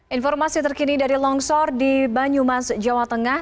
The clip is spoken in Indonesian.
informasi terkini dari longsor di banyumas jawa tengah